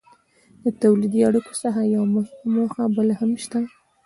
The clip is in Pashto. له تولیدي اړیکو څخه یوه مهمه موخه بله هم شته.